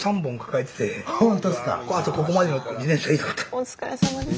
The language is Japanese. お疲れさまです。